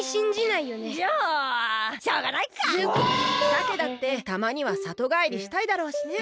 さけだってたまにはさとがえりしたいだろうしね。